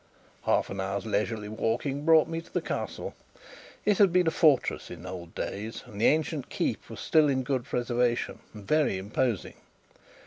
Half an hour's leisurely walking brought me to the Castle. It had been a fortress in old days, and the ancient keep was still in good preservation and very imposing.